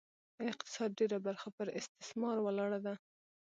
د اقتصاد ډېره برخه پر استثمار ولاړه وه.